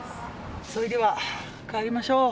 それでは帰りましょう。